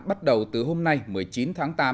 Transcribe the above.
bắt đầu từ hôm nay một mươi chín tháng tám